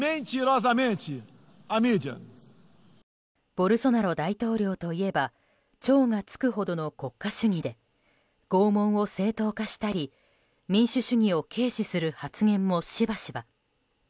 ボルソナロ大統領といえば超がつくほどの国家主義で拷問を正当化したり、民主主義を軽視する発言もしばしば。